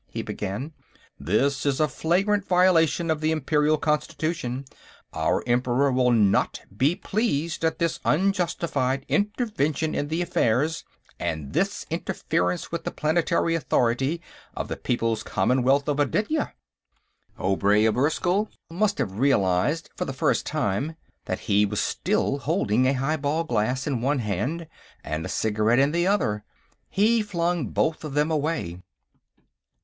he began. "This is a flagrant violation of the Imperial Constitution; our Emperor will not be pleased at this unjustified intervention in the affairs, and this interference with the planetary authority, of the People's Commonwealth of Aditya!" Obray of Erskyll must have realized, for the first time, that he was still holding a highball glass in one hand and a cigarette in the other. He flung both of them away.